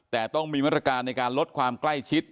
แต่ต้องมีมาตรการในการลดความใกล้ชิด